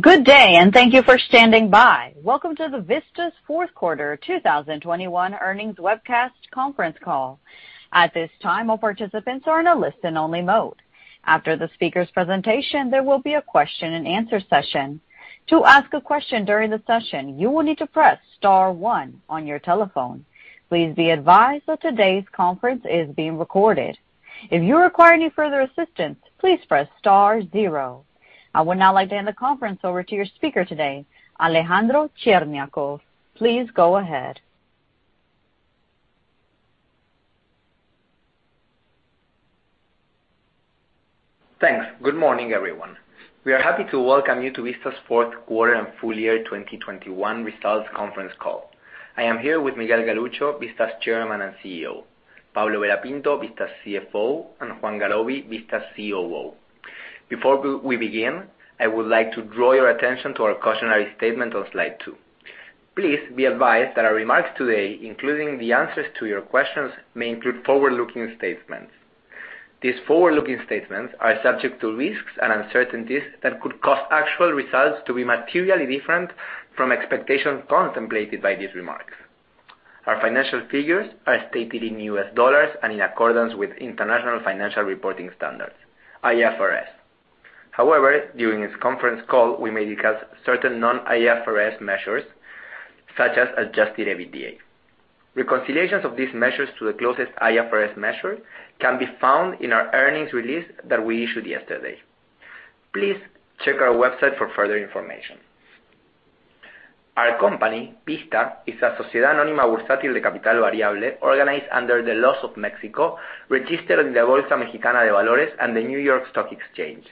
Good day, and thank you for standing by. Welcome to the Vista's fourth quarter 2021 earnings webcast conference call. At this time, all participants are in a listen only mode. After the speaker's presentation, there will be a question and answer session. To ask a question during the session, you will need to press star one on your telephone. Please be advised that today's conference is being recorded. If you require any further assistance, please press star zero. I would now like to hand the conference over to your speaker today, Alejandro Cherñacov. Please go ahead. Thanks. Good morning, everyone. We are happy to welcome you to Vista's fourth quarter and full year 2021 results conference call. I am here with Miguel Galuccio, Vista's Chairman and CEO, Pablo Vera Pinto, Vista's CFO, and Juan Garoby, Vista's COO. Before we begin, I would like to draw your attention to our cautionary statement on slide two. Please be advised that our remarks today, including the answers to your questions, may include forward-looking statements. These forward-looking statements are subject to risks and uncertainties that could cause actual results to be materially different from expectations contemplated by these remarks. Our financial figures are stated in U.S. dollars and in accordance with International Financial Reporting Standards, IFRS. However, during this conference call, we may discuss certain non-IFRS measures such as Adjusted EBITDA. Reconciliations of these measures to the closest IFRS measure can be found in our earnings release that we issued yesterday. Please check our website for further information. Our company, Vista, is a Sociedad Anónima Bursátil de Capital Variable organized under the laws of Mexico, registered in the Bolsa Mexicana de Valores and the New York Stock Exchange.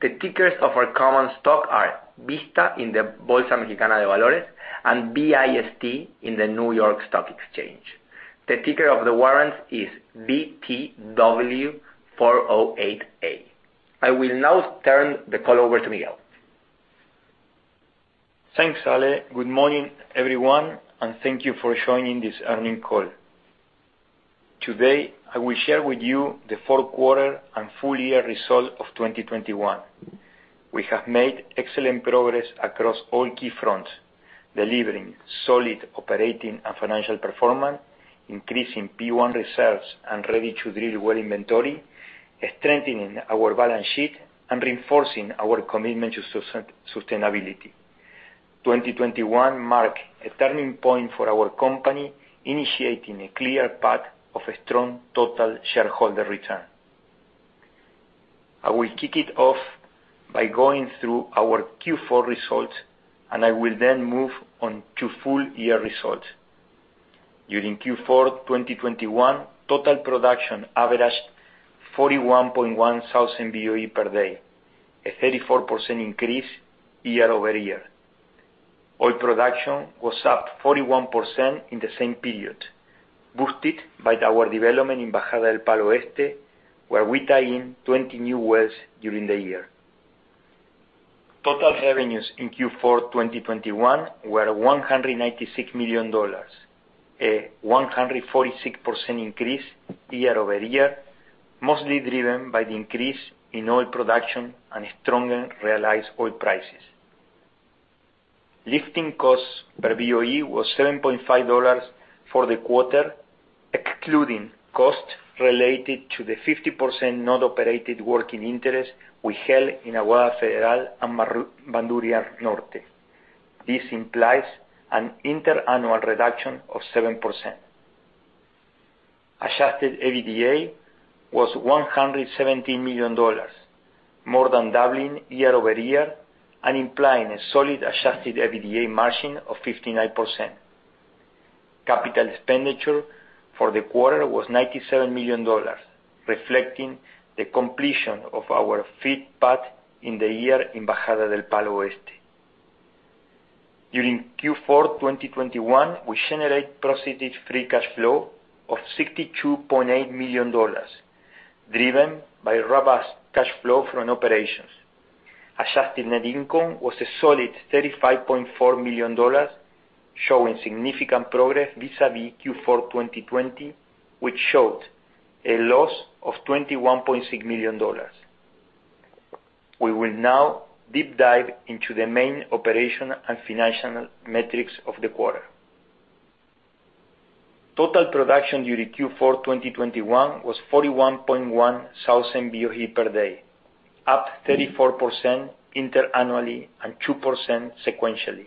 The tickers of our common stock are Vista in the Bolsa Mexicana de Valores and VIST in the New York Stock Exchange. The ticker of the warrants is VTW408A. I will now turn the call over to Miguel. Thanks, Ale. Good morning, everyone, and thank you for joining this earnings call. Today, I will share with you the fourth quarter and full year results of 2021. We have made excellent progress across all key fronts, delivering solid operating and financial performance, increasing P1 reserves and ready-to-drill well inventory, strengthening our balance sheet, and reinforcing our commitment to sustainability. 2021 marked a turning point for our company, initiating a clear path of a strong total shareholder return. I will kick it off by going through our Q4 results, and I will then move on to full year results. During Q4 2021, total production averaged 41.1 thousand BOE per day, a 34% increase year-over-year. Oil production was up 41% in the same period, boosted by our development in Bajada del Palo Oeste, where we tie-in 20 new wells during the year. Total revenues in Q4 2021 were $196 million, a 146% increase year-over-year, mostly driven by the increase in oil production and stronger realized oil prices. Lifting costs per BOE was $7.5 for the quarter, excluding costs related to the 50% not operated working interest we held in Aguada Federal and Bandurria Norte. This implies an inter-annual reduction of 7%. Adjusted EBITDA was $170 million, more than doubling year-over-year and implying a solid adjusted EBITDA margin of 59%. Capital expenditure for the quarter was $97 million, reflecting the completion of our feed path in the year in Bajada del Palo Oeste. During Q4 2021, we generated positive free cash flow of $62.8 million, driven by robust cash flow from operations. Adjusted net income was a solid $35.4 million, showing significant progress vis-à-vis Q4 2020, which showed a loss of $21.6 million. We will now deep dive into the main operation and financial metrics of the quarter. Total production during Q4 2021 was 41,100 BOE per day, up 34% inter-annually and 2% sequentially.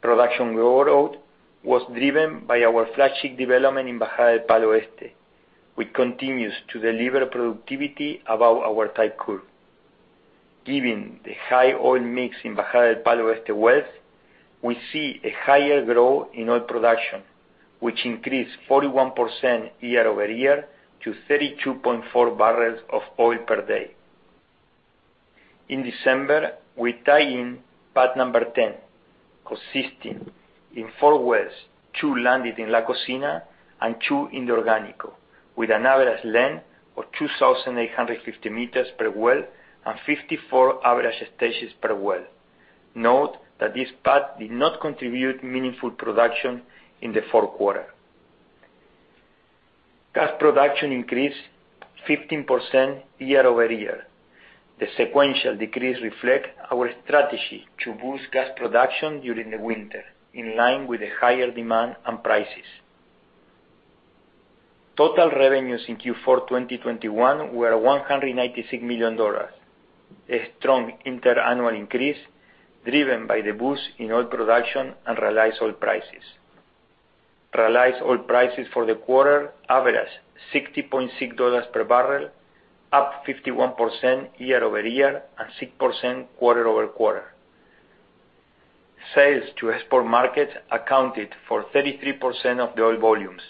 Production growth was driven by our flagship development in Bajada del Palo Oeste, which continues to deliver productivity above our type curve. Given the high oil mix in Bajada del Palo Oeste wells, we see a higher growth in oil production, which increased 41% year-over-year to 32.4 bbl of oil per day. In December, we tie in pad number 10, consisting of four wells, two landed in La Cocina and two in the Orgánico, with an average length of 2,850 m per well and 54 average stages per well. Note that this pad did not contribute meaningful production in the fourth quarter. Gas production increased 15% year-over-year. The sequential decrease reflect our strategy to boost gas production during the winter, in line with the higher demand and prices. Total revenues in Q4 2021 were $196 million, a strong inter-annual increase driven by the boost in oil production and realized oil prices. Realized oil prices for the quarter averaged $60.6 per barrel, up 51% year-over-year and 6% quarter-over-quarter. Sales to export markets accounted for 33% of the oil volumes,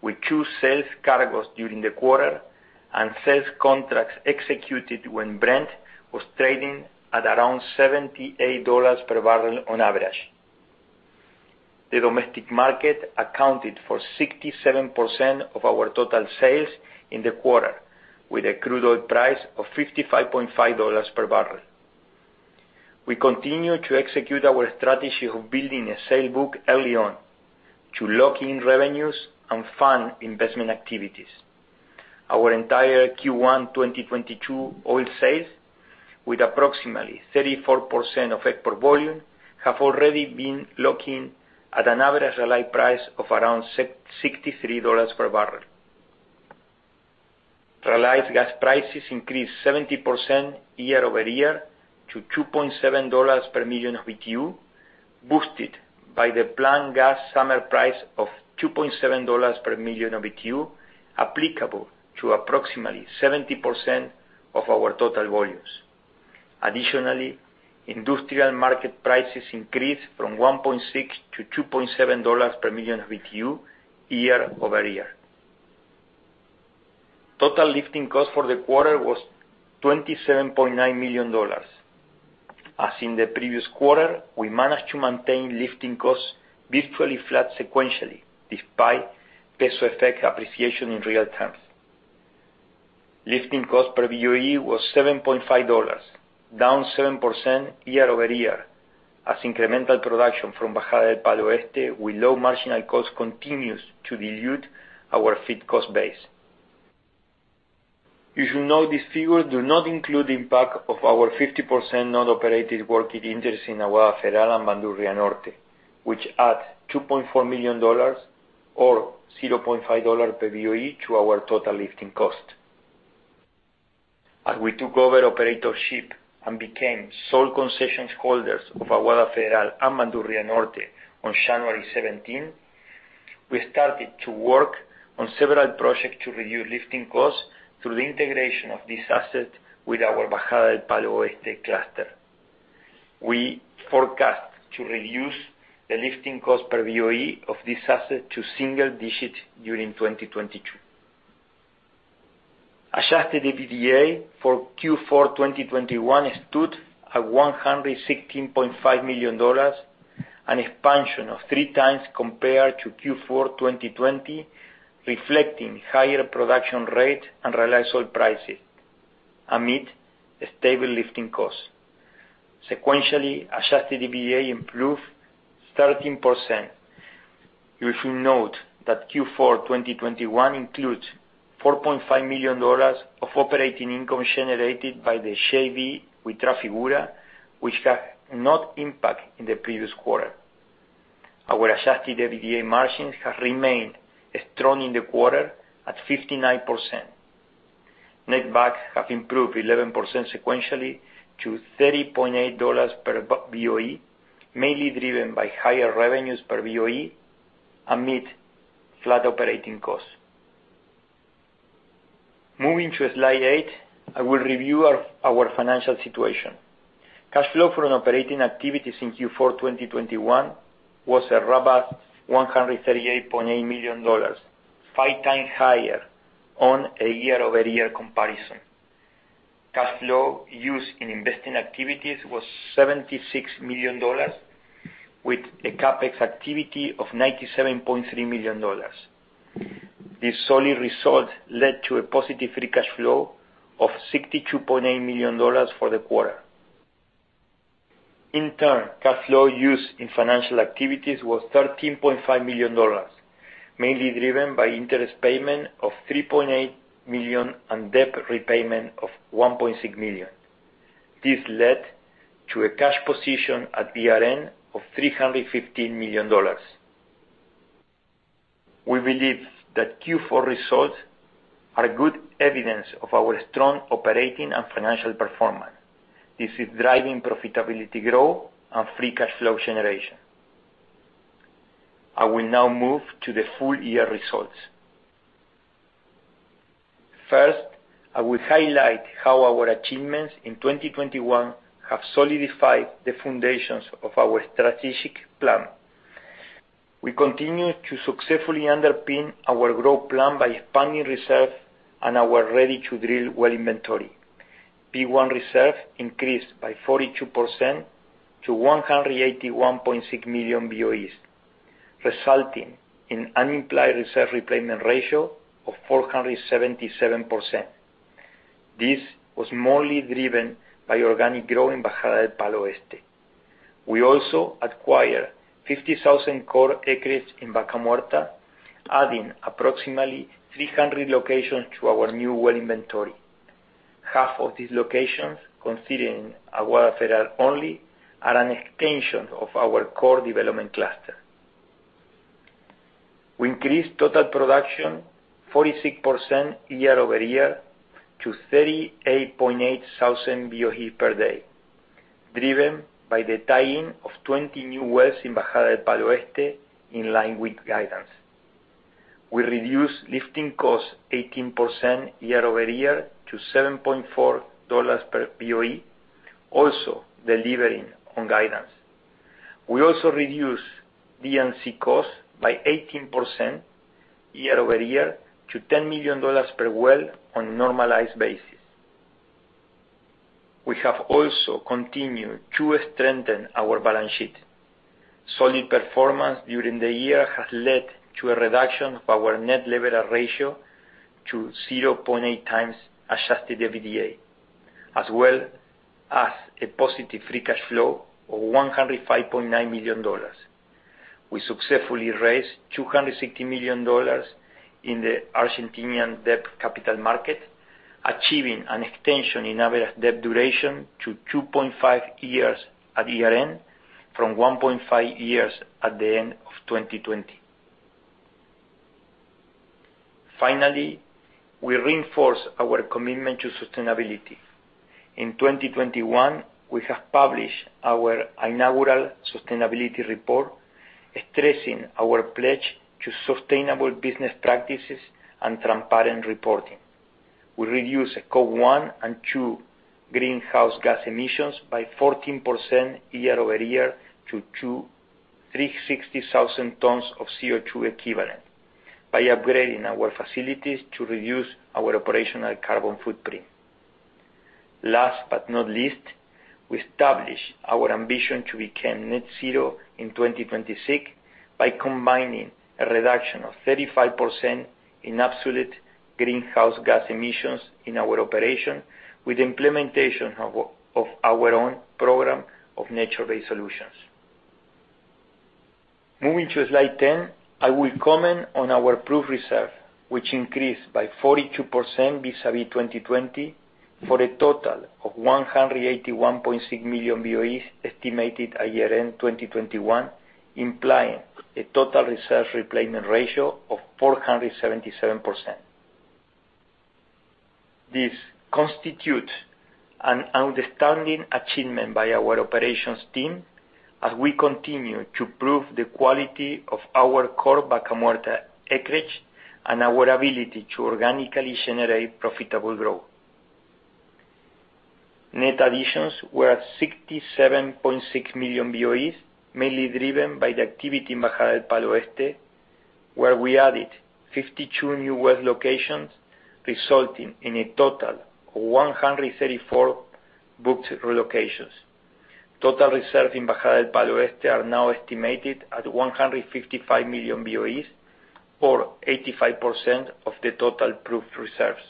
with two sales cargos during the quarter and sales contracts executed when Brent was trading at around $78 per barrel on average. The domestic market accounted for 67% of our total sales in the quarter, with a crude oil price of $55.5 per barrel. We continue to execute our strategy of building a sales book early on to lock in revenues and fund investment activities. Our entire Q1 2022 oil sales, with approximately 34% of export volume, have already been locked at an average realized price of around $63 per barrel. Realized gas prices increased 70% year-over-year to $2.7 per million BTU, boosted by the plant gas summer price of $2.7 per million BTU, applicable to approximately 70% of our total volumes. Additionally, industrial market prices increased from $1.6-$2.7 per million BTU year-over-year. Total lifting cost for the quarter was $27.9 million. As in the previous quarter, we managed to maintain lifting costs virtually flat sequentially, despite peso effect appreciation in real terms. Lifting cost per BOE was $7.5, down 7% year-over-year as incremental production from Bajada del Palo Oeste with low marginal cost continues to dilute our fixed cost base. You should know these figures do not include impact of our 50% non-operated working interest in Aguada Federal and Bandurria Norte, which add $2.4 million or $0.5 per BOE to our total lifting cost. As we took over operatorship and became sole concession holders of Aguada Federal and Bandurria Norte on January 17th, we started to work on several projects to reduce lifting costs through the integration of this asset with our Bajada del Palo Oeste cluster. We forecast to reduce the lifting cost per BOE of this asset to single digits during 2022. Adjusted EBITDA for Q4 2021 stood at $116.5 million, an expansion of three times compared to Q4 2020, reflecting higher production rates and realized oil prices amid a stable lifting cost. Sequentially, adjusted EBITDA improved 13%. You should note that Q4 2021 includes $4.5 million of operating income generated by the JV with Trafigura, which had no impact in the previous quarter. Our Adjusted EBITDA margins have remained strong in the quarter at 59%. Netback has improved 11% sequentially to $30.8 per BOE, mainly driven by higher revenues per BOE amid flat operating costs. Moving to slide eight, I will review our financial situation. Cash flow from operating activities in Q4 2021 was a robust $138.8 million, five times higher on a year-over-year comparison. Cash flow used in investing activities was $76 million, with a CapEx activity of $97.3 million. This solid result led to a positive free cash flow of $62.8 million for the quarter. Cash flow used in financial activities was $13.5 million, mainly driven by interest payment of $3.8 million and debt repayment of $1.6 million. This led to a cash position at year-end of $315 million. We believe that Q4 results are good evidence of our strong operating and financial performance. This is driving profitability growth and free cash flow generation. I will now move to the full year results. First, I will highlight how our achievements in 2021 have solidified the foundations of our strategic plan. We continue to successfully underpin our growth plan by expanding reserves and our ready to drill well inventory. P1 reserve increased by 42% to 181.6 million BOE, resulting in an implied reserve replacement ratio of 477%. This was mostly driven by organic growth in Bajada del Palo Oeste. We also acquired 50,000 core acres in Vaca Muerta, adding approximately 300 locations to our new well inventory. Half of these locations, considering Aguada Federal only, are an extension of our core development cluster. We increased total production 46% year-over-year to 38.8 thousand BOE per day, driven by the tie-in of 20 new wells in Bajada del Palo Oeste in line with guidance. We reduced lifting costs 18% year-over-year to $7.4 per BOE, also delivering on guidance. We also reduced D&C costs by 18% year-over-year to $10 million per well on a normalized basis. We have also continued to strengthen our balance sheet. Solid performance during the year has led to a reduction of our net leverage ratio to 0.8 times Adjusted EBITDA, as well as a positive free cash flow of $105.9 million. We successfully raised $260 million in the Argentine debt capital market, achieving an extension in average debt duration to 2.5 years at year-end from 1.5 years at the end of 2020. Finally, we reinforce our commitment to sustainability. In 2021, we have published our inaugural sustainability report, stressing our pledge to sustainable business practices and transparent reporting. We reduced Scope one and two greenhouse gas emissions by 14% year-over-year to 236,000 tons of CO2 equivalent by upgrading our facilities to reduce our operational carbon footprint. Last but not least, we established our ambition to become net zero in 2026 by combining a reduction of 35% in absolute greenhouse gas emissions in our operation with implementation of our own program of nature-based solutions. Moving to slide 10, I will comment on our proven reserve, which increased by 42% vis-à-vis 2020 for a total of 181.6 million BOEs estimated at year-end 2021, implying a total reserve replacement ratio of 477%. This constitutes an outstanding achievement by our operations team as we continue to prove the quality of our core Vaca Muerta acreage and our ability to organically generate profitable growth. Net additions were at 67.6 million BOE, mainly driven by the activity in Bajada del Palo Oeste, where we added 52 new well locations, resulting in a total of 134 booked locations. Total reserves in Bajada del Palo Oeste are now estimated at 155 million BOE or 85% of the total proved reserves.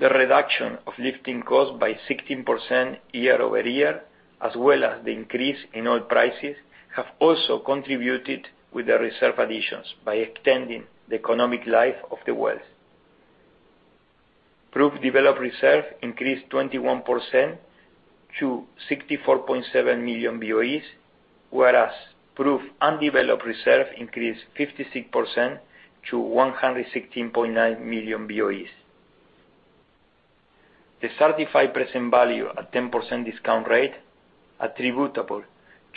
The reduction of lifting costs by 16% year-over-year as well as the increase in oil prices have also contributed with the reserve additions by extending the economic life of the wells. Proved developed reserves increased 21% to 64.7 million BOE, whereas proved undeveloped reserves increased 56% to 116.9 million BOE. The certified present value at 10% discount rate attributable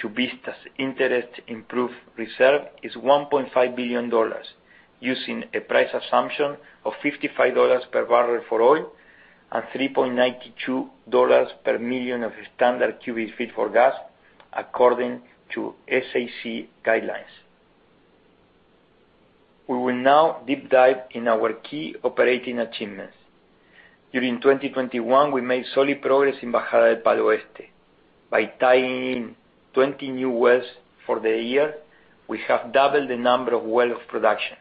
to Vista's interest in proved reserve is $1.5 billion using a price assumption of $55 per barrel for oil and $3.92 per million of standard cubic feet for gas according to SEC guidelines. We will now deep dive in our key operating achievements. During 2021, we made solid progress in Bajada del Palo Oeste. By tying in 20 new wells for the year, we have doubled the number of wells of production.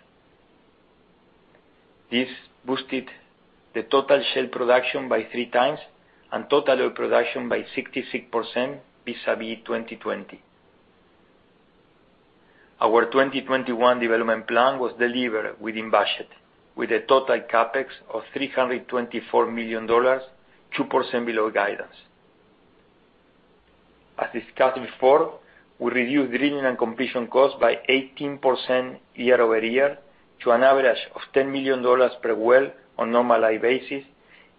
This boosted the total shale production by three times and total oil production by 66% vis-à-vis 2020. Our 2021 development plan was delivered within budget with a total CapEx of $324 million, 2% below guidance. As discussed before, we reduced drilling and completion costs by 18% year-over-year to an average of $10 million per well on normalized basis,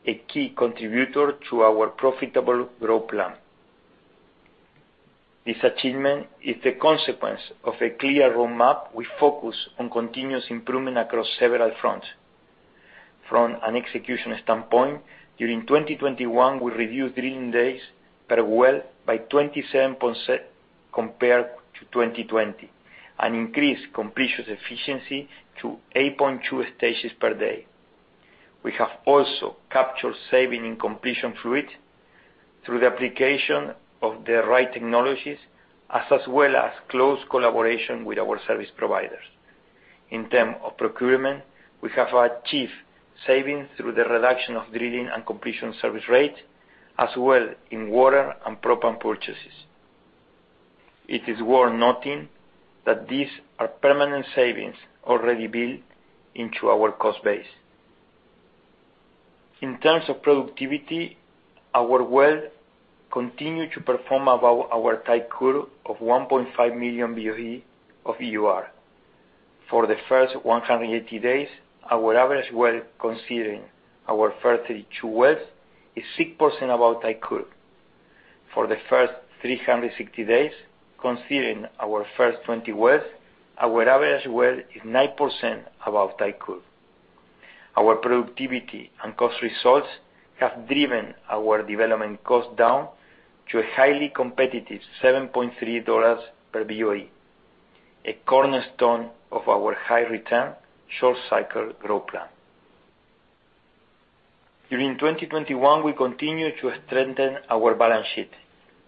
a key contributor to our profitable growth plan. This achievement is the consequence of a clear roadmap with focus on continuous improvement across several fronts. From an execution standpoint, during 2021, we reduced drilling days per well by 27% compared to 2020 and increased completion efficiency to 8.2 stages per day. We have also captured savings in completion fluid through the application of the right technologies, as well as close collaboration with our service providers. In terms of procurement, we have achieved savings through the reduction of drilling and completion service rates, as well as in water and propane purchases. It is worth noting that these are permanent savings already built into our cost base. In terms of productivity, our well continued to perform above our type curve of 1.5 million BOE of EUR. For the first 180 days, our average well considering our first 32 wells is 6% above type curve. For the first 360 days, considering our first 20 wells, our average well is 9% above type curve. Our productivity and cost results have driven our development cost down to a highly competitive $7.3 per BOE, a cornerstone of our high return short cycle growth plan. During 2021, we continued to strengthen our balance sheet.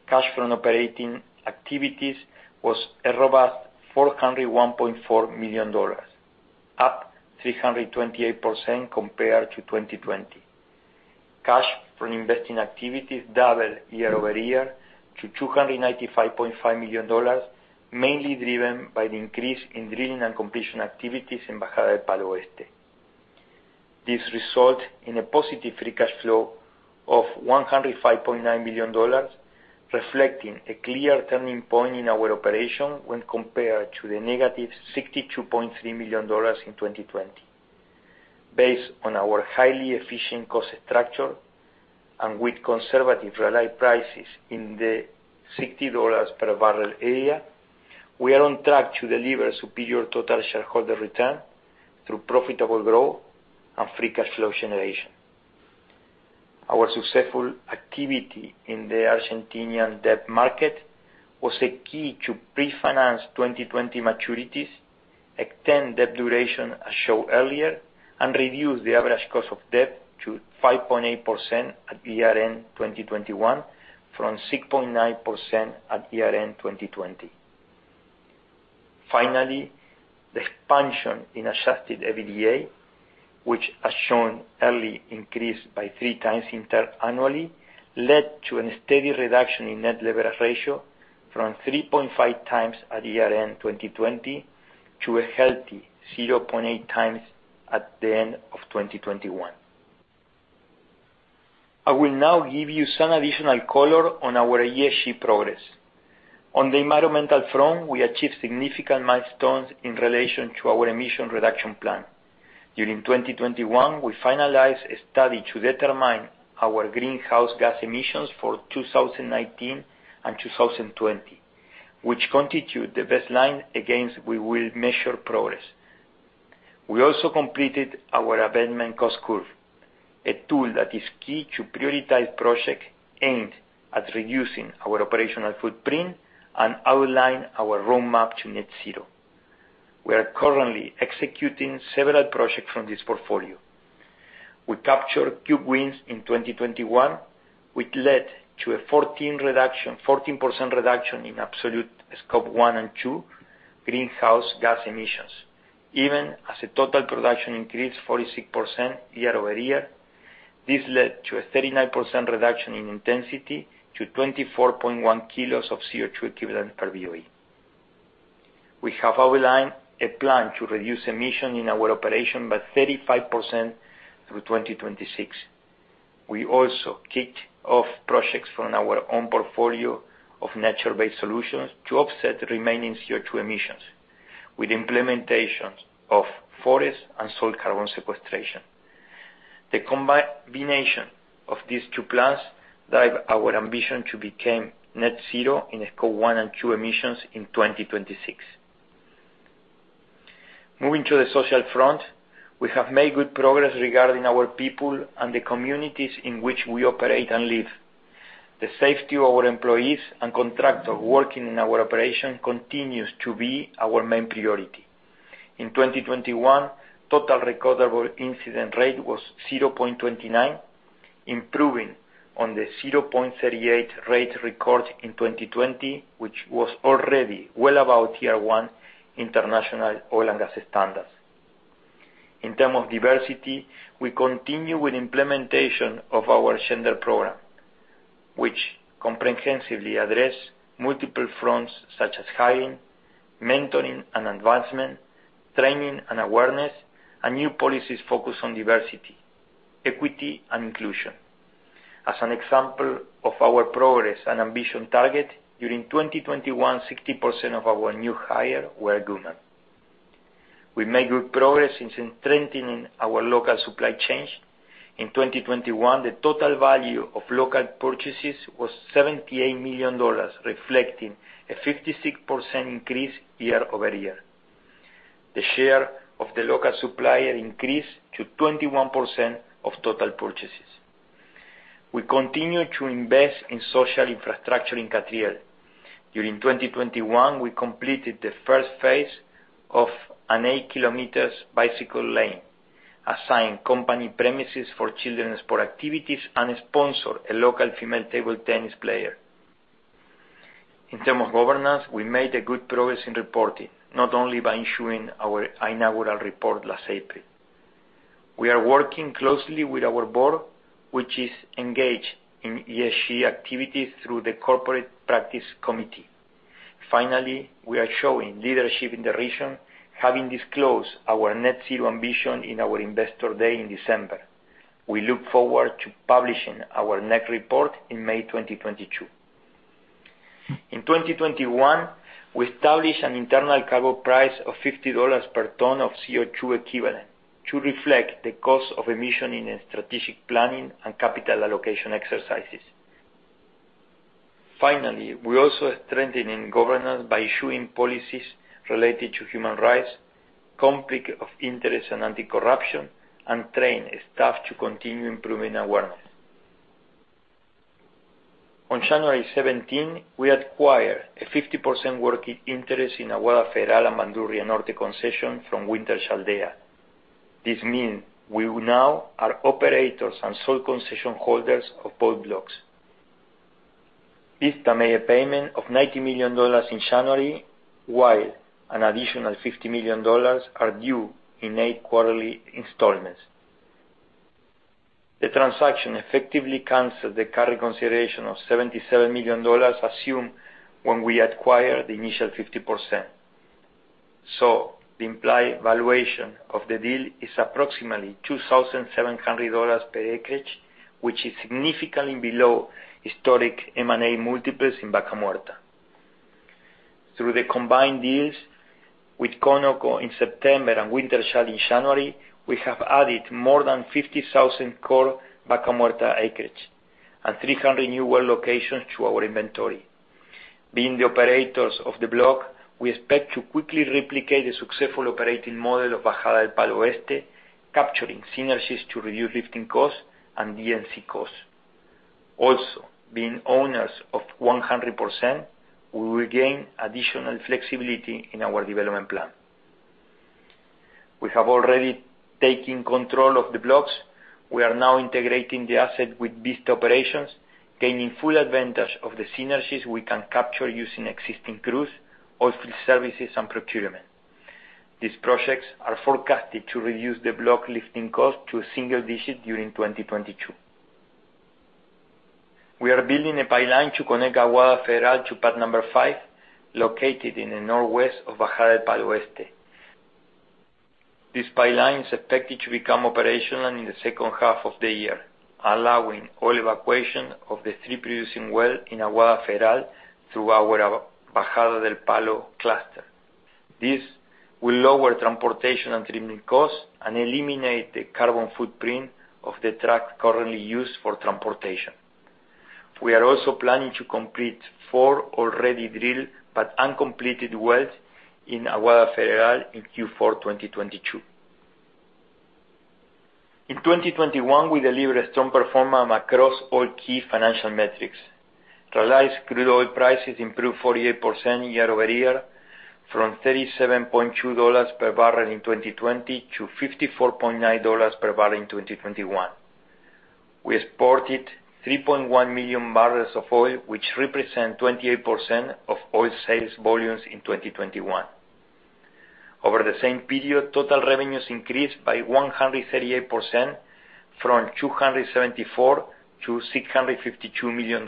Cash from operating activities was a robust $401.4 million, up 328% compared to 2020. Cash from investing activities doubled year-over-year to $295.5 million, mainly driven by the increase in drilling and completion activities in Bajada del Palo Oeste. This result in a positive free cash flow of $105.9 million, reflecting a clear turning point in our operation when compared to the -$62.3 million in 2020. Based on our highly efficient cost structure and with conservative realized prices in the $60 per barrel area, we are on track to deliver superior total shareholder return through profitable growth and free cash flow generation. Our successful activity in the Argentine debt market was a key to prefinance 2020 maturities, extend debt duration, as shown earlier, and reduce the average cost of debt to 5.8% at year-end 2021 from 6.9% at year-end 2020. Finally, the expansion in Adjusted EBITDA, which as shown earlier increased by 3x interannually, led to a steady reduction in net leverage ratio from 3.5x at year-end 2020 to a healthy 0.8x at the end of 2021. I will now give you some additional color on our ESG progress. On the environmental front, we achieved significant milestones in relation to our emission reduction plan. During 2021, we finalized a study to determine our greenhouse gas emissions for 2019 and 2020, which constitute the baseline against which we will measure progress. We also completed our abatement cost curve, a tool that is key to prioritize projects aimed at reducing our operational footprint and outline our roadmap to net zero. We are currently executing several projects from this portfolio. We captured quick wins in 2021, which led to a 14% reduction in absolute Scope one and two greenhouse gas emissions, even as the total production increased 46% year-over-year. This led to a 39% reduction in intensity to 24.1 kg of CO2 equivalent per BOE. We have outlined a plan to reduce emissions in our operations by 35% through 2026. We also kicked off projects from our own portfolio of nature-based solutions to offset remaining CO2 emissions with implementations of forest and soil carbon sequestration. The combination of these two plans drive our ambition to become net zero in Scope one and two emissions in 2026. Moving to the social front, we have made good progress regarding our people and the communities in which we operate and live. The safety of our employees and contractors working in our operation continues to be our main priority. In 2021, total recordable incident rate was 0.29, improving on the 0.38 rate recorded in 2020, which was already well above Tier 1 international oil and gas standards. In terms of diversity, we continue with implementation of our gender program, which comprehensively addresses multiple fronts such as hiring, mentoring and advancement, training and awareness, and new policies focused on diversity, equity, and inclusion. As an example of our progress and ambitious target, during 2021, 60% of our new hires were women. We made good progress in strengthening our local supply chains. In 2021, the total value of local purchases was $78 million, reflecting a 56% increase year-over-year. The share of the local supplier increased to 21% of total purchases. We continue to invest in social infrastructure in Catriel. During 2021, we completed the first phase of an 8 km bicycle lane, assigned company premises for children's sport activities, and sponsored a local female table tennis player. In terms of governance, we made a good progress in reporting, not only by ensuring our inaugural report last April. We are working closely with our board, which is engaged in ESG activities through the Corporate Practices Committee. We are showing leadership in the region, having disclosed our net zero ambition in our Investor Day in December. We look forward to publishing our next report in May 2022. In 2021, we established an internal carbon price of $50 per ton of CO₂ equivalent to reflect the cost of emissions in strategic planning and capital allocation exercises. We're also strengthening governance by issuing policies related to human rights, conflict of interest and anti-corruption, and training staff to continue improving awareness. On January 17, we acquired a 50% working interest in Aguada Federal and Bandurria Norte concession from Wintershall Dea. This means we are now operators and sole concession holders of both blocks. Vista made a payment of $90 million in January, while an additional $50 million are due in eight quarterly installments. The transaction effectively canceled the carry consideration of $77 million assumed when we acquired the initial 50%. The implied valuation of the deal is approximately $2,700 per acreage, which is significantly below historic M&A multiples in Vaca Muerta. Through the combined deals with ConocoPhillips in September and Wintershall Dea in January, we have added more than 50,000 core Vaca Muerta acreage and 300 new well locations to our inventory. Being the operators of the block, we expect to quickly replicate the successful operating model of Bajada del Palo Oeste, capturing synergies to reduce lifting costs and D&C costs. Also, being owners of 100%, we will gain additional flexibility in our development plan. We have already taken control of the blocks. We are now integrating the asset with Vista operations, gaining full advantage of the synergies we can capture using existing crews, oilfield services, and procurement. These projects are forecasted to reduce the block lifting cost to a single digit during 2022. We are building a pipeline to connect Aguada Federal to pad five, located in the northwest of Bajada del Palo Oeste. This pipeline is expected to become operational in the second half of the year, allowing oil evacuation of the three producing well in Aguada Federal through our Bajada del Palo cluster. This will lower transportation and trimming costs and eliminate the carbon footprint of the truck currently used for transportation. We are also planning to complete four already drilled but uncompleted wells in Aguada Federal in Q4 2022. In 2021, we delivered a strong performance across all key financial metrics. Realized crude oil prices improved 48% year-over-year from $37.2 per barrel in 2020 to $54.9 per barrel in 2021. We exported 3.1 million bbl of oil, which represent 28% of oil sales volumes in 2021. Over the same period, total revenues increased by 138% from $274 million-$652 million.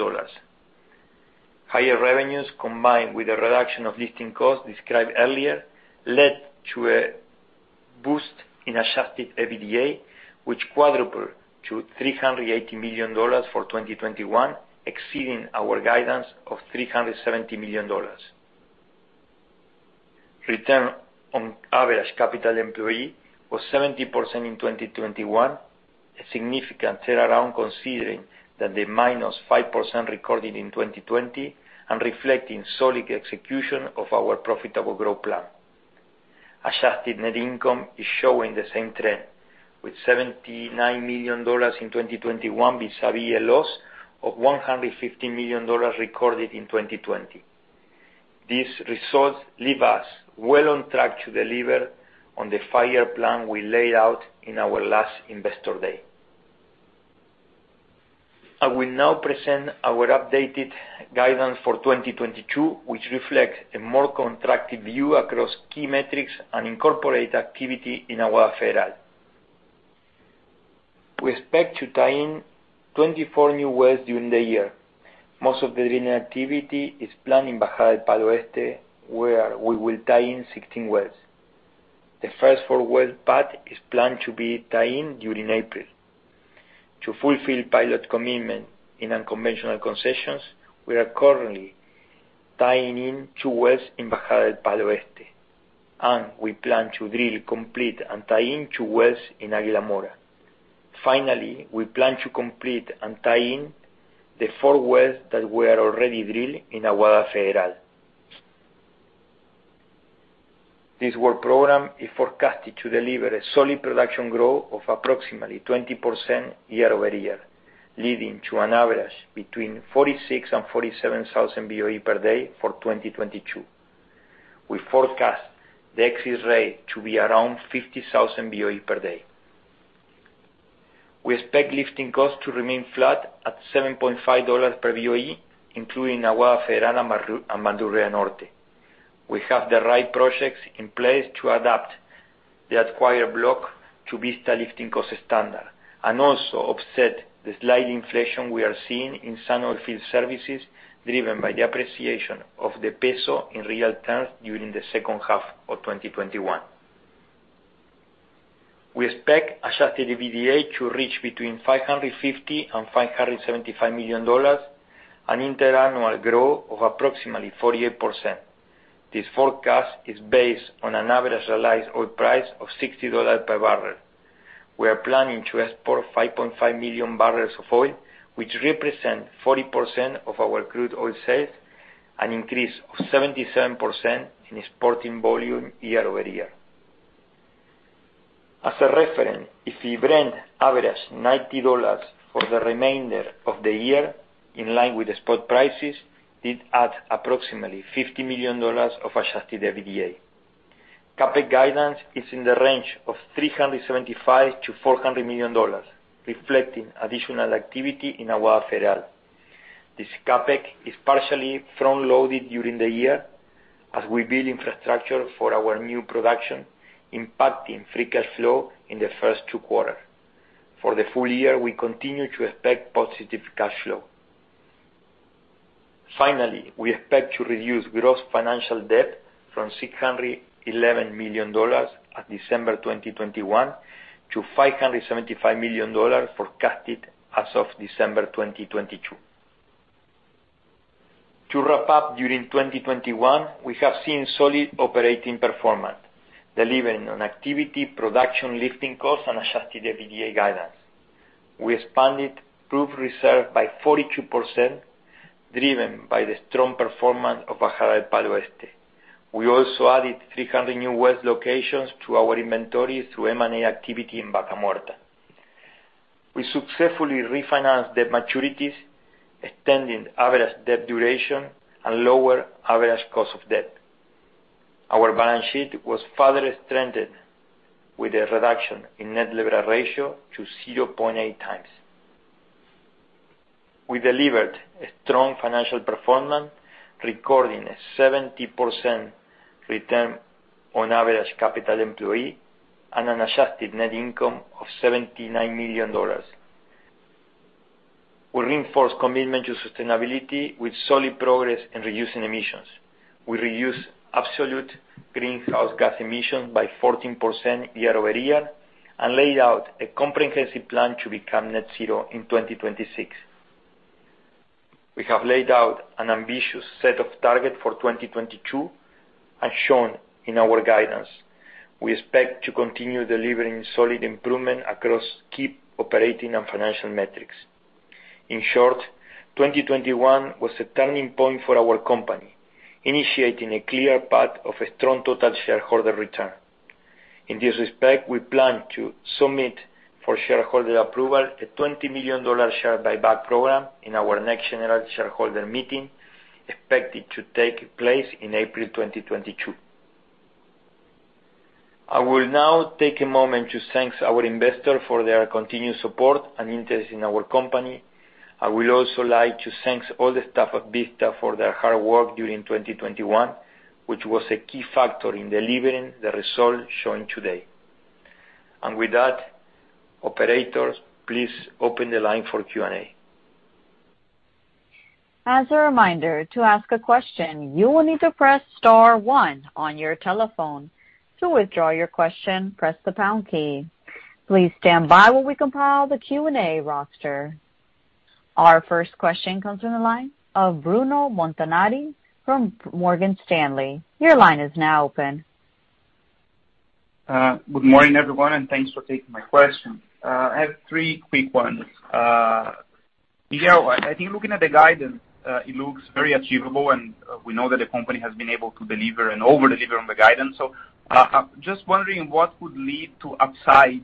Higher revenues, combined with a reduction of lifting costs described earlier, led to a boost in adjusted EBITDA, which quadrupled to $380 million for 2021, exceeding our guidance of $370 million. Return on average capital employed was 70% in 2021, a significant turnaround considering that the -5% recorded in 2020 and reflecting solid execution of our profitable growth plan. Adjusted net income is showing the same trend, with $79 million in 2021 vis-à-vis a loss of $150 million recorded in 2020. These results leave us well on track to deliver on the five-year plan we laid out in our last Investor Day. I will now present our updated guidance for 2022, which reflects a more contracted view across key metrics and incorporate activity in Aguada Federal. We expect to tie in 24 new wells during the year. Most of the drilling activity is planned in Bajada del Palo Oeste, where we will tie in 16 wells. The first four-well pad is planned to be tied in during April. To fulfill pilot commitment in unconventional concessions, we are currently tying in two wells in Bajada del Palo Oeste, and we plan to drill, complete, and tie in two wells in Águila Mora. Finally, we plan to complete and tie in the four wells that were already drilled in Aguada Federal. This work program is forecasted to deliver a solid production growth of approximately 20% year-over-year, leading to an average between 46,000 and 47,000 BOE per day for 2022. We forecast the exit rate to be around 50,000 BOE per day. We expect lifting costs to remain flat at $7.5 per BOE, including Aguada Federal and Bandurria Norte. We have the right projects in place to adapt the acquired block to Vista lifting cost standard and also offset the slight inflation we are seeing in some oil field services, driven by the appreciation of the peso in real terms during the second half of 2021. We expect Adjusted EBITDA to reach between $550 million and $575 million, an inter-annual growth of approximately 48%. This forecast is based on an average realized oil price of $60 per barrel. We are planning to export 5.5 million bbl of oil, which represent 40% of our crude oil sales, an increase of 77% in exporting volume year-over-year. As a reference, if the Brent averages $90 for the remainder of the year, in line with the spot prices, it adds approximately $50 million of Adjusted EBITDA. CapEx guidance is in the range of $375 million-$400 million, reflecting additional activity in Aguada Federal. This CapEx is partially front-loaded during the year as we build infrastructure for our new production, impacting free cash flow in the first two quarters. For the full year, we continue to expect positive cash flow. Finally, we expect to reduce gross financial debt from $611 million at December 2021 to $575 million forecasted as of December 2022. To wrap up, during 2021, we have seen solid operating performance, delivering on activity, production, lifting costs, and Adjusted EBITDA guidance. We expanded proven reserves by 42%, driven by the strong performance of Bajada del Palo Oeste. We also added 300 new well locations to our inventory through M&A activity in Vaca Muerta. We successfully refinanced debt maturities, extending average debt duration and lower average cost of debt. Our balance sheet was further strengthened with a reduction in net leverage ratio to 0.8 times. We delivered a strong financial performance, recording a 70% return on average capital employed and an adjusted net income of $79 million. We reinforce commitment to sustainability with solid progress in reducing emissions. We reduced absolute greenhouse gas emissions by 14% year-over-year and laid out a comprehensive plan to become net zero in 2026. We have laid out an ambitious set of targets for 2022 as shown in our guidance. We expect to continue delivering solid improvement across key operating and financial metrics. In short, 2021 was a turning point for our company, initiating a clear path of a strong total shareholder return. In this respect, we plan to submit for shareholder approval a $20 million share buyback program in our next general shareholder meeting, expected to take place in April 2022. I will now take a moment to thank our investors for their continued support and interest in our company. I would also like to thank all the staff at Vista for their hard work during 2021, which was a key factor in delivering the results shown today. With that, operators, please open the line for Q&A. As a reminder, to ask a question, you will need to press star one on your telephone. To withdraw your question, press the pound key. Please stand by while we compile the Q&A roster. Our first question comes from the line of Bruno Montanari from Morgan Stanley. Your line is now open. Good morning, everyone, and thanks for taking my question. I have three quick ones. Miguel, I think looking at the guidance, it looks very achievable, and we know that the company has been able to deliver and over-deliver on the guidance. Just wondering what would lead to upside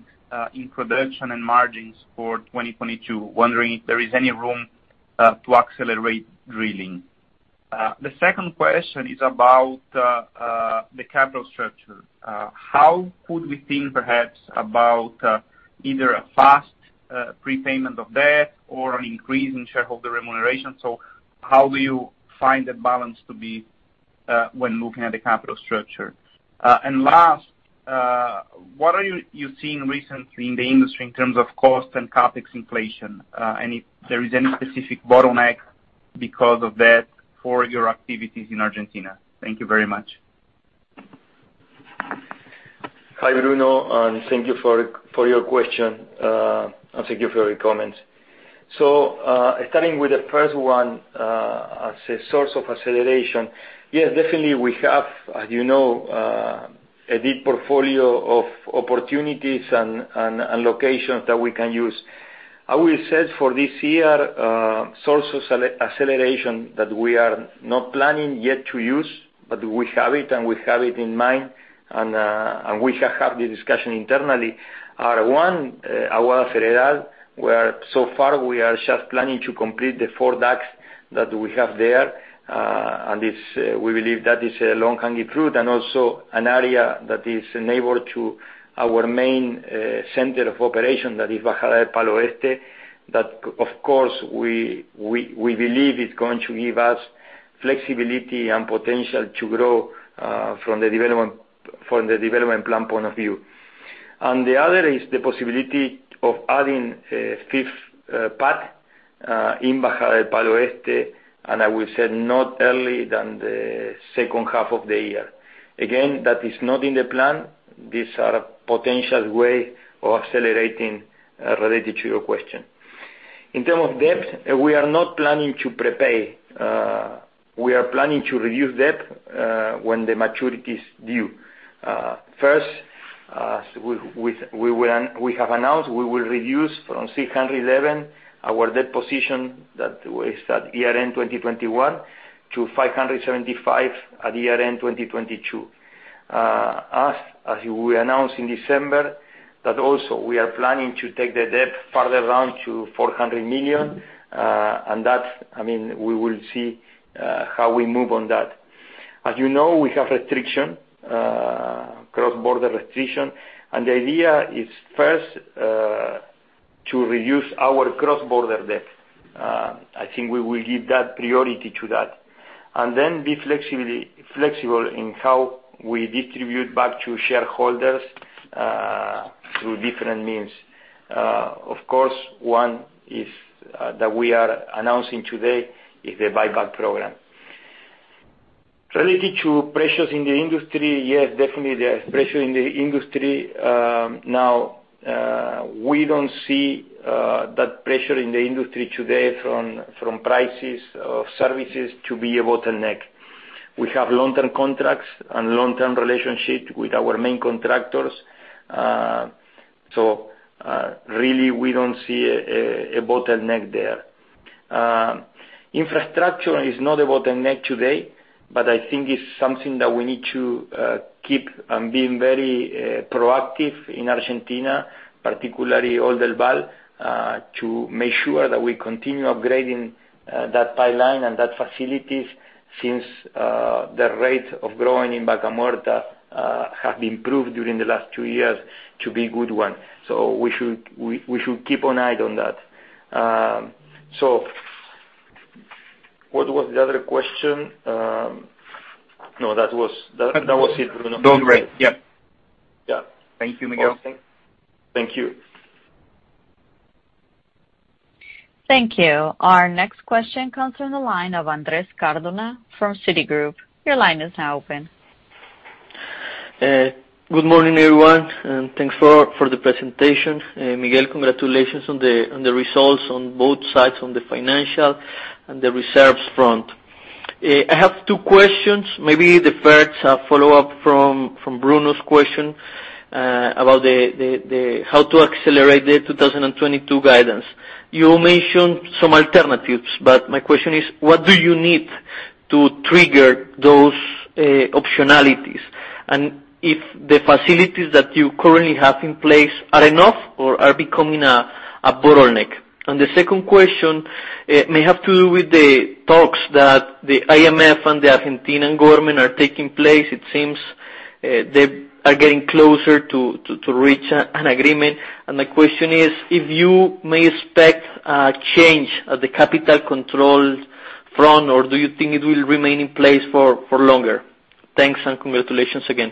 in production and margins for 2022? Wondering if there is any room to accelerate drilling. The second question is about the capital structure. How could we think perhaps about either a fast prepayment of debt or an increase in shareholder remuneration? How do you find the balance to be when looking at the capital structure? Last, what are you seeing recently in the industry in terms of cost and CapEx inflation? If there is any specific bottleneck because of that for your activities in Argentina? Thank you very much. Hi, Bruno, and thank you for your question and thank you for your comments. Starting with the first one, as a source of acceleration, yes, definitely we have, as you know, a deep portfolio of opportunities and locations that we can use. I will say for this year, sources of acceleration that we are not planning yet to use, but we have it and we have it in mind and we have had the discussion internally, one, Aguada Federal, where so far we are just planning to complete the four wells that we have there. It's we believe that is a low-hanging fruit and also an area that is enabled to our main center of operation, that is Bajada del Palo Oeste, that of course we believe is going to give us flexibility and potential to grow from the development plan point of view. The other is the possibility of adding a fifth pad in Bajada del Palo Oeste, and I will say not early than the second half of the year. Again, that is not in the plan. These are potential way of accelerating related to your question. In term of debt, we are not planning to prepay. We are planning to reduce debt when the maturity is due. First, we have announced we will reduce from $611 million our debt position that was at year-end 2021 to $575 million at year-end 2022. As we announced in December, we are also planning to take the debt further down to $400 million, and that's, I mean, we will see how we move on that. As you know, we have restrictions, cross-border restrictions, and the idea is first to reduce our cross-border debt. I think we will give that priority to that. Then be flexible in how we distribute back to shareholders through different means. Of course, one is that we are announcing today is the buyback program. Related to pressures in the industry, yes, definitely there are pressures in the industry. Now, we don't see that pressure in the industry today from prices of services to be a bottleneck. We have long-term contracts and long-term relationship with our main contractors. Really, we don't see a bottleneck there. Infrastructure is not a bottleneck today, but I think it's something that we need to keep on being very proactive in Argentina, particularly Oldelval, to make sure that we continue upgrading that pipeline and that facilities since the rate of growing in Vaca Muerta have improved during the last two years to be good one. We should keep an eye on that. What was the other question? No, that was it, Bruno. Those rates, yeah. Yeah. Thank you, Miguel. Thank you. Thank you. Our next question comes from the line of Andrés Cardona from Citigroup. Your line is now open. Good morning, everyone, and thanks for the presentation. Miguel, congratulations on the results on both sides, on the financial and the reserves front. I have two questions. Maybe the first, a follow-up from Bruno's question, about how to accelerate the 2022 guidance. You mentioned some alternatives, but my question is, what do you need to trigger those optionalities? And if the facilities that you currently have in place are enough or are becoming a bottleneck? And the second question may have to do with the talks that the IMF and the Argentine government are taking place. It seems they are getting closer to reach an agreement. The question is if you may expect a change at the capital control front, or do you think it will remain in place for longer? Thanks and congratulations again.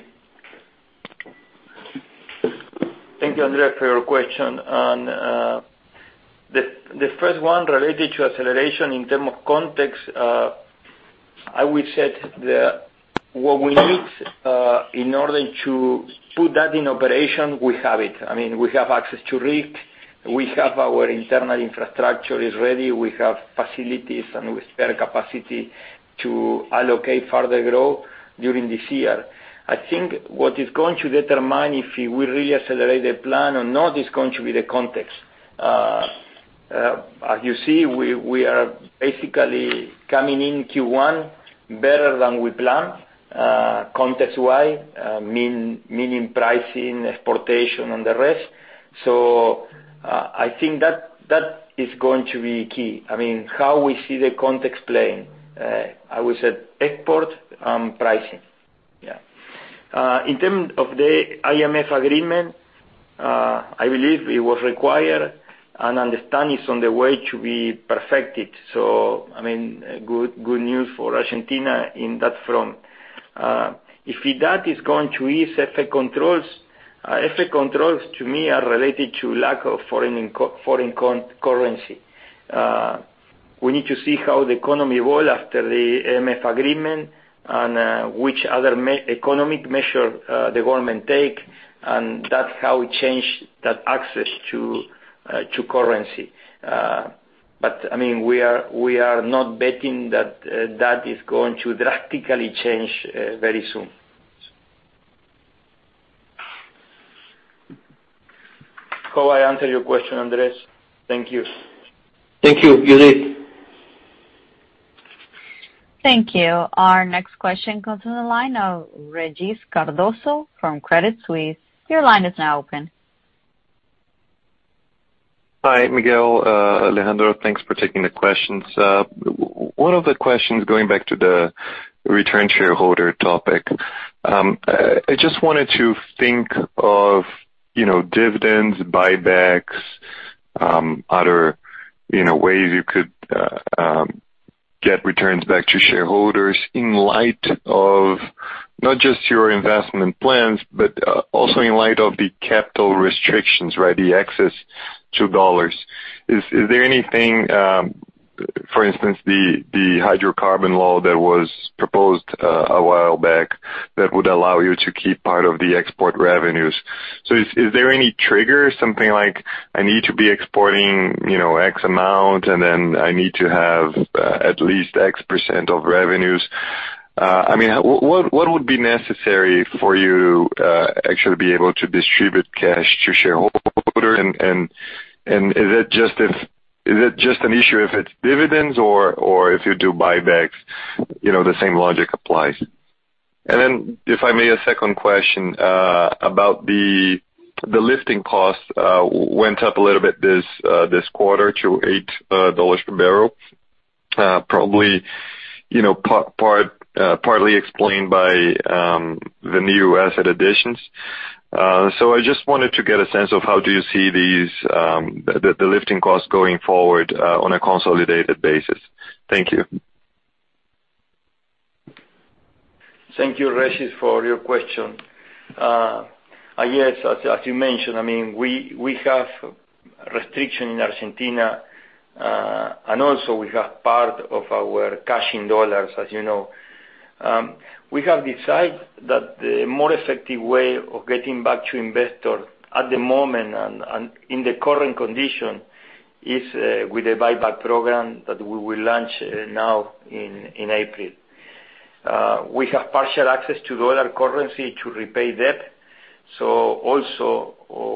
Thank you, Andrés, for your question. The first one related to acceleration in term of context, I will say, what we need in order to put that in operation, we have it. I mean, we have access to rig. We have our internal infrastructure is ready. We have facilities and we spare capacity to allocate further growth during this year. I think what is going to determine if we really accelerate the plan or not is going to be the context. As you see, we are basically coming in Q1 better than we planned, context-wide, meaning pricing, exportation and the rest. I think that is going to be key. I mean, how we see the context playing, I would say export and pricing. Yeah. In terms of the IMF agreement, I believe it was required and understanding is on the way to be perfected. I mean, good news for Argentina in that front. If that is going to ease FX controls, FX controls to me are related to lack of foreign currency. We need to see how the economy rolls after the IMF agreement and which other economic measures the government takes, and that's how we change that access to currency. I mean, we are not betting that that is going to drastically change very soon. I hope I answered your question, Andrés. Thank you. Thank you. You did. Thank you. Our next question comes from the line of Regis Cardoso from Credit Suisse. Your line is now open. Hi, Miguel, Alejandro. Thanks for taking the questions. One of the questions going back to the return shareholder topic. I just wanted to think of, you know, dividends, buybacks, other, you know, ways you could get returns back to shareholders in light of not just your investment plans, but also in light of the capital restrictions, right? The access to dollars. Is there anything, for instance, the hydrocarbon law that was proposed a while back that would allow you to keep part of the export revenues? So is there any trigger, something like I need to be exporting, you know, X amount, and then I need to have at least X percent of revenues? I mean, what would be necessary for you actually be able to distribute cash to shareholder? Is that just an issue if it's dividends or if you do buybacks, you know, the same logic applies? Then if I may, a second question about the lifting costs went up a little bit this quarter to $8 per barrel, probably, you know, partly explained by the new asset additions. I just wanted to get a sense of how do you see these the lifting costs going forward on a consolidated basis. Thank you. Thank you, Regis, for your question. Yes, as you mentioned, I mean, we have restrictions in Argentina, and also we have part of our cash in U.S. dollars, as you know. We have decided that the more effective way of getting back to investors at the moment and in the current conditions is with a buyback program that we will launch now in April. We have partial access to U.S. dollar currency to repay debt, so also,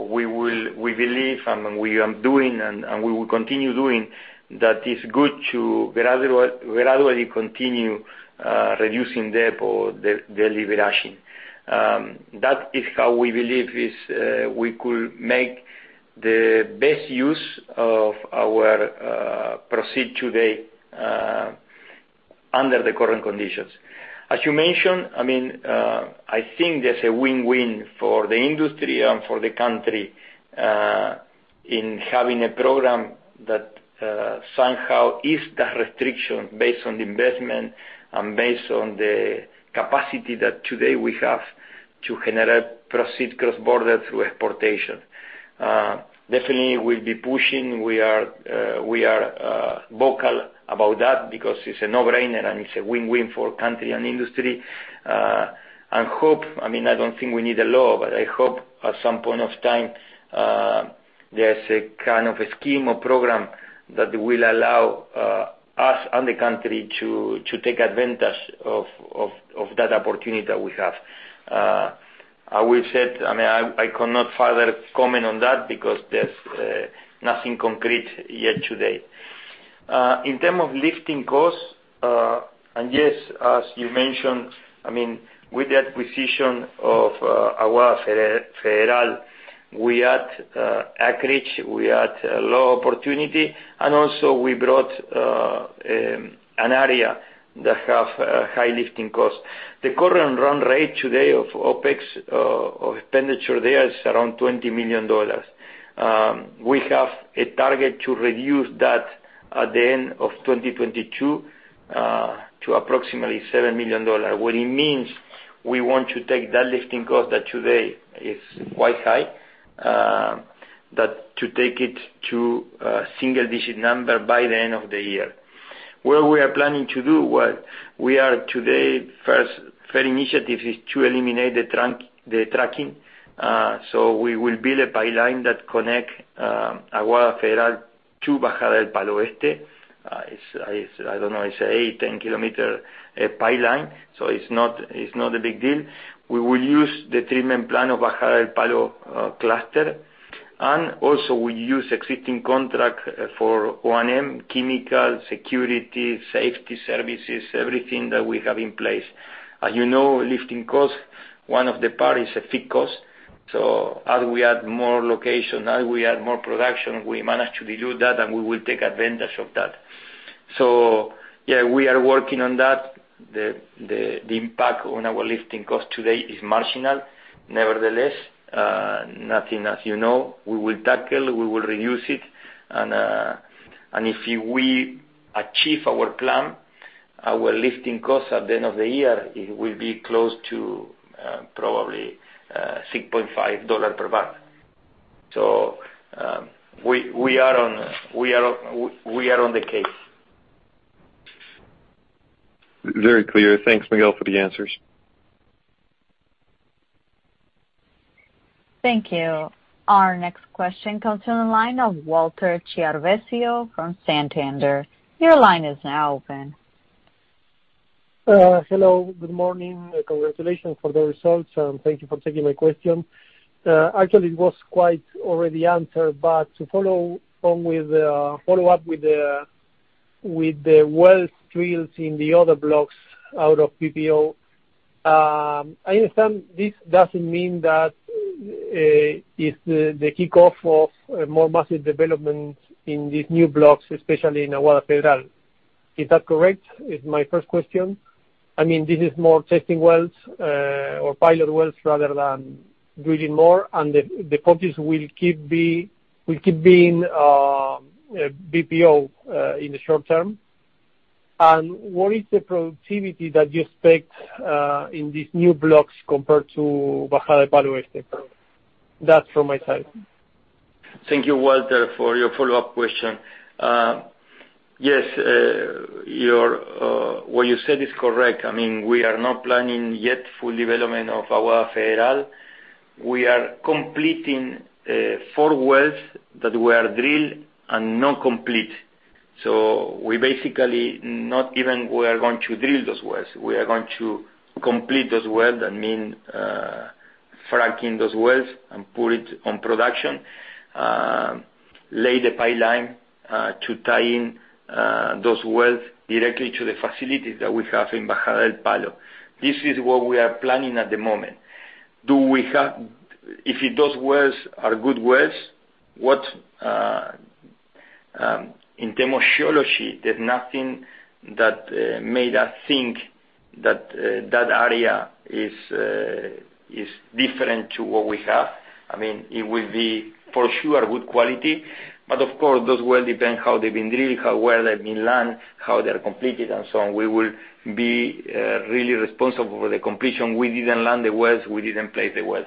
we believe and we are doing, and we will continue doing that is good to gradually continue reducing debt or deleveraging. That is how we believe we could make the best use of our proceeds today under the current conditions. As you mentioned, I mean, I think there's a win-win for the industry and for the country in having a program that somehow ease that restriction based on the investment and based on the capacity that today we have to generate proceeds cross-border through exportation. Definitely we'll be pushing. We are vocal about that because it's a no-brainer, and it's a win-win for country and industry. I don't think we need a law, but I hope at some point of time there's a kind of a scheme or program that will allow us and the country to take advantage of that opportunity that we have. I cannot further comment on that because there's nothing concrete yet today. In terms of lifting costs, and yes, as you mentioned, I mean, with the acquisition of Aguada Federal, we add acreage, we add low opportunity, and also we brought an area that have high lifting costs. The current run rate today of OpEx of expenditure there is around $20 million. We have a target to reduce that at the end of 2022 to approximately $7 million. What it means, we want to take that lifting cost that today is quite high, that to take it to a single-digit number by the end of the year. Where we are planning to do what we are today, first third initiative is to eliminate the trucking. We will build a pipeline that connect Aguada Federal to Bajada del Palo Oeste. It's 8-10 km pipeline, so it's not a big deal. We will use the treatment plant of Bajada del Palo cluster, and also we use existing contract for O&M, chemical, security, safety, services, everything that we have in place. As you know, lifting costs, one of the part is a fixed cost. As we add more location, as we add more production, we manage to dilute that, and we will take advantage of that. Yeah, we are working on that. The impact on our lifting cost today is marginal. Nevertheless, as you know, we will tackle, we will reduce it. If we achieve our plan, our lifting cost at the end of the year, it will be close to, probably, $6.5 per barrel. We are on the case. Very clear. Thanks, Miguel, for the answers. Thank you. Our next question comes from the line of Walter Chiarvesio from Santander. Your line is now open. Hello, good morning. Congratulations for the results, and thank you for taking my question. Actually it was quite already answered, but to follow up with the well drills in the other blocks out of BPO. I understand this doesn't mean that is the kickoff of more massive development in these new blocks, especially in Aguada Federal. Is that correct? Is my first question. I mean, this is more testing wells or pilot wells rather than drilling more, and the focus will keep being BPO in the short term. What is the productivity that you expect in these new blocks compared to Bajada del Palo Oeste? That's from my side. Thank you, Walter, for your follow-up question. Yes, what you said is correct. I mean, we are not planning yet full development of Aguada Federal. We are completing four wells that were drilled and not complete. We basically are not even going to drill those wells. We are going to complete those wells. That means fracking those wells and put it on production, lay the pipeline to tie in those wells directly to the facilities that we have in Bajada del Palo. This is what we are planning at the moment. If those wells are good wells, in terms of geology, there's nothing that made us think that that area is different to what we have. I mean, it will be for sure good quality. Of course, those wells depend how they've been drilled, how well they've been landed, how they're completed, and so on. We will be really responsible for the completion. We didn't land the wells, we didn't place the wells.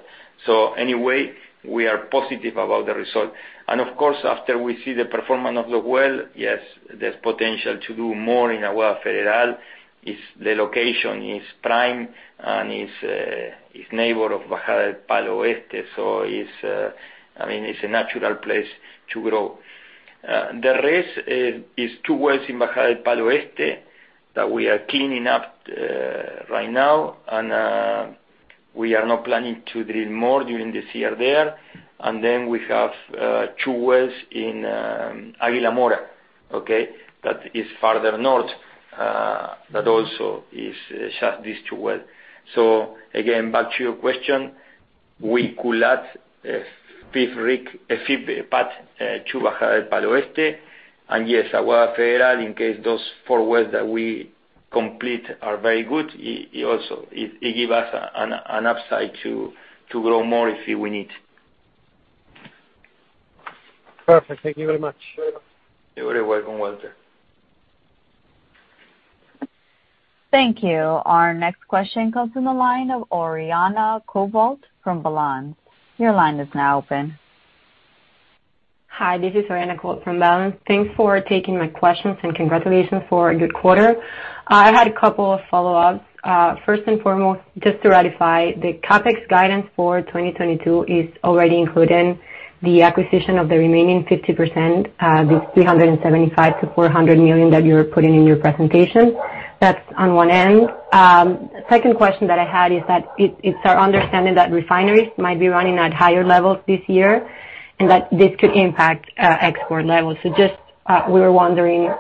Anyway, we are positive about the result. Of course, after we see the performance of the well, yes, there's potential to do more in Aguada Federal. It's the location is prime and is neighbor of Bajada del Palo Oeste. It's a natural place to grow. The rest is two wells in Bajada del Palo Oeste that we are cleaning up right now. We are not planning to drill more during this year there. Then we have two wells in Águila Mora, okay? That is farther north, that also is just these two wells. Again, back to your question, we could add fifth pad to Bajada del Palo Oeste. Yes, Aguada Federal, in case those four wells that we complete are very good, it also gives us an upside to grow more if we need. Perfect. Thank you very much. You're very welcome, Walter. Thank you. Our next question comes from the line of Oriana Covault from Balanz. Your line is now open. Hi, this is Oriana Covault from Balanz. Thanks for taking my questions and congratulations for a good quarter. I had a couple of follow-ups. First and foremost, just to ratify, the CapEx guidance for 2022 is already included in the acquisition of the remaining 50%, the $375 million-$400 million that you're putting in your presentation. That's on one end. Second question that I had is that it's our understanding that refineries might be running at higher levels this year, and that this could impact export levels. We were wondering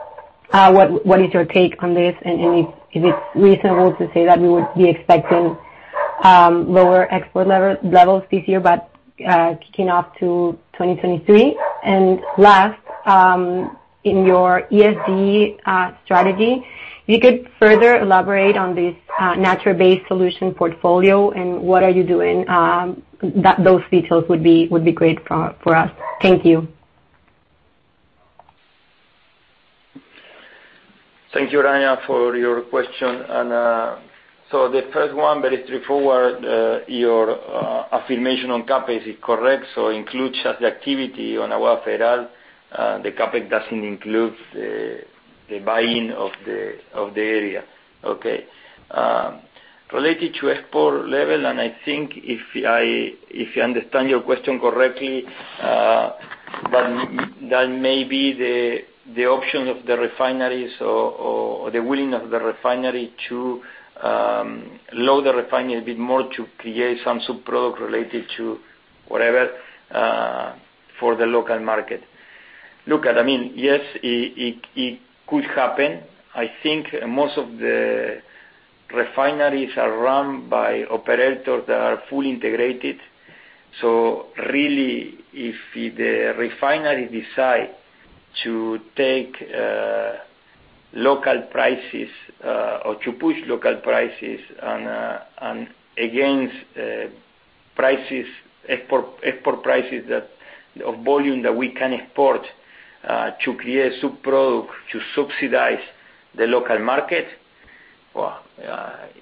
what is your take on this? If it's reasonable to say that we would be expecting lower export levels this year, but kicking off to 2023. Last, in your ESG strategy, if you could further elaborate on this nature-based solution portfolio and what are you doing? That, those details would be great for us. Thank you. Thank you, Oriana, for your question. The first one, very straightforward, your affirmation on CapEx is correct, so includes just the activity on Aguada Federal. The CapEx doesn't include the buy-in of the area. Okay. Related to export level, I think if I understand your question correctly, but that may be the option of the refineries or the willing of the refinery to load the refinery a bit more to create some sub-product related to whatever for the local market. Look, I mean, yes, it could happen. I think most of the refineries are run by operators that are fully integrated. Really, if the refinery decide to take local prices or to push local prices against export prices of the volume that we can export to create by-products to subsidize the local market. Well,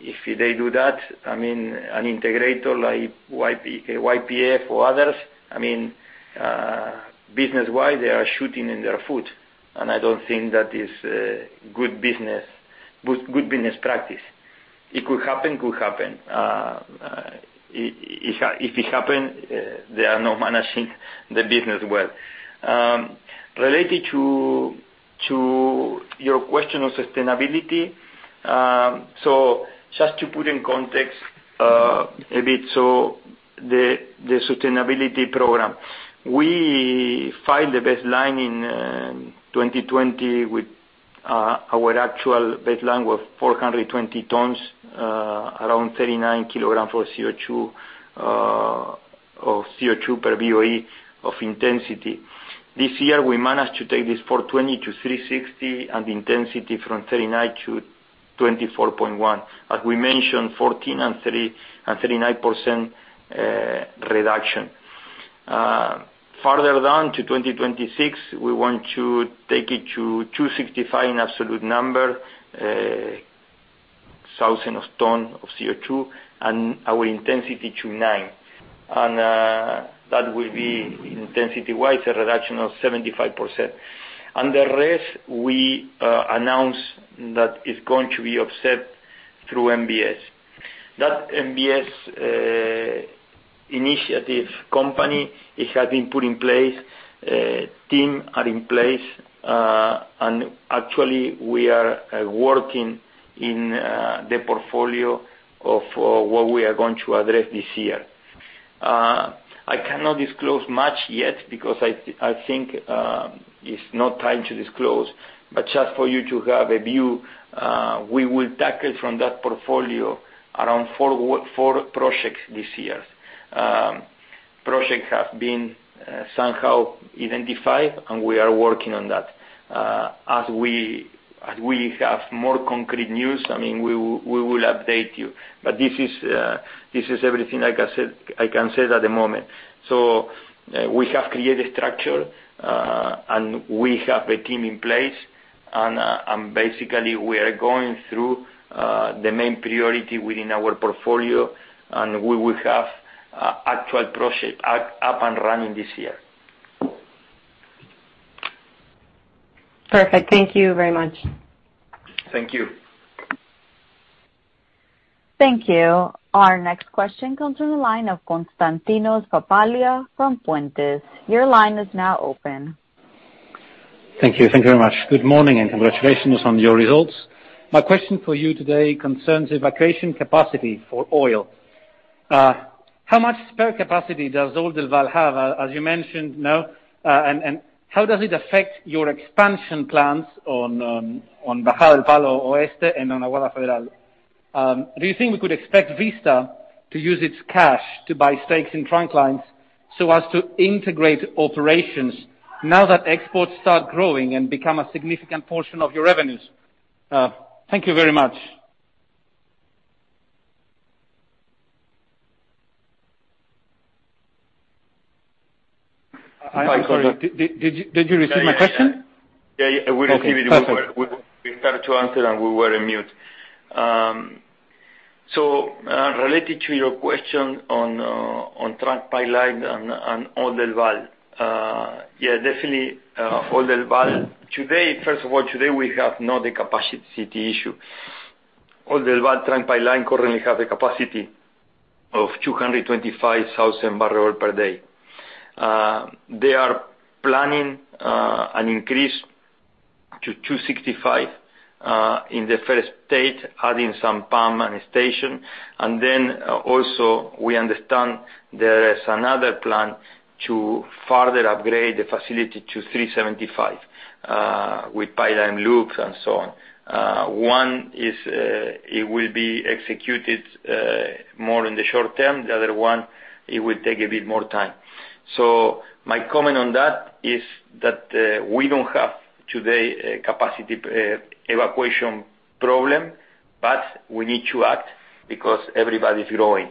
if they do that, I mean, an integrator like YPF or others, I mean, business-wise, they are shooting themselves in the foot, and I don't think that is good business practice. It could happen. If it happens, they are not managing the business well. Related to your question on sustainability. Just to put in context a bit. The sustainability program. We find the baseline in 2020 with our actual baseline was 420 tons around 39 kg of CO2 per BOE of intensity. This year we managed to take this 420 to 360 and the intensity from 39 to 24.1. As we mentioned, 14 and 39% reduction. Further down to 2026, we want to take it to 265 in absolute number thousand tons of CO2 and our intensity to nine. That will be intensity-wise, a reduction of 75%. The rest we announced that is going to be offset through NBS. That NBS initiative company it has been put in place team are in place. Actually we are working in the portfolio of what we are going to address this year. I cannot disclose much yet because I think it's not time to disclose. Just for you to have a view, we will tackle from that portfolio around four projects this year. Projects have been somehow identified and we are working on that. As we have more concrete news, I mean, we will update you. This is everything, like I said, I can say at the moment. We have created structure and we have a team in place. Basically we are going through the main priority within our portfolio, and we will have actual project up and running this year. Perfect. Thank you very much. Thank you. Thank you. Our next question comes from the line of Konstantinos Papalias from Puente. Your line is now open. Thank you. Thank you very much. Good morning, and congratulations on your results. My question for you today concerns evacuation capacity for oil. How much spare capacity does Oldelval have, as you mentioned? And how does it affect your expansion plans on Bajada del Palo Oeste and on Aguada Federal? Do you think we could expect Vista to use its cash to buy stakes in trunk lines so as to integrate operations now that exports start growing and become a significant portion of your revenues? Thank you very much. I'm sorry. Did you receive my question? Yeah, yeah, we received it. Okay, perfect. We started to answer, and we were on mute. Related to your question on trunk pipeline and Oldelval. Yeah, definitely, Oldelval. Today, first of all, we have not a capacity issue. Oldelval trunk pipeline currently has a capacity of 225,000 bbl per day. They are planning an increase to 265,000 in the first stage, adding some pumping station. Then, also we understand there is another plan to further upgrade the facility to 375,000 with pipeline loops and so on. One will be executed more in the short term. The other one will take a bit more time. My comment on that is that we don't have today a capacity evacuation problem, but we need to act because everybody's growing.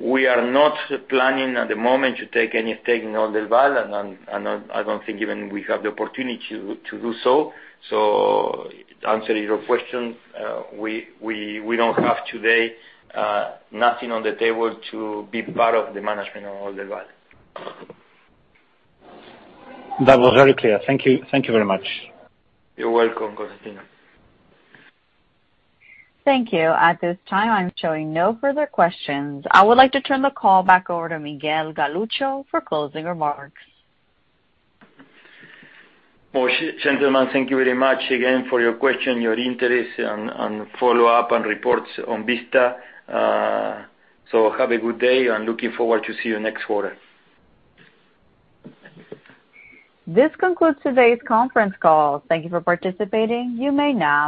We are not planning at the moment to take any stake in Oldelval, and I don't think even we have the opportunity to do so. To answer your question, we don't have today nothing on the table to be part of the management of Oldelval. That was very clear. Thank you. Thank you very much. You're welcome, Konstantinos. Thank you. At this time, I'm showing no further questions. I would like to turn the call back over to Miguel Galuccio for closing remarks. Well, gentlemen, thank you very much again for your question, your interest and follow up and reports on Vista. Have a good day, and looking forward to see you next quarter. This concludes today's conference call. Thank you for participating. You may now disconnect.